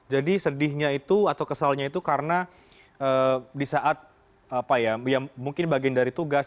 jadi sedihnya itu atau kesalnya itu karena di saat mungkin bagian dari tugas